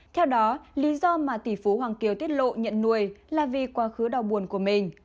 theo đó lý do mà tỷ phú hoàng kiều tiết lộ nhận nuôi là vì quá khứ đau buồn của mình